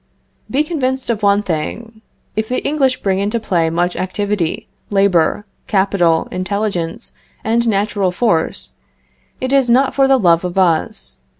Be convinced of one thing. If the English bring into play much activity, labor, capital, intelligence, and natural force, it is not for the love of us.